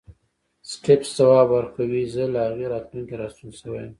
سټېفنس ځواب ورکوي زه له هغې راتلونکې راستون شوی یم